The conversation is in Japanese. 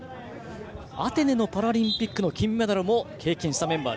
アテネのパラリンピックの金メダルも経験したメンバー。